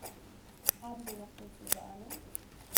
Haben wir noch süße Sahne?